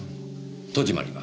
戸締まりは？